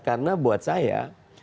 karena buat saya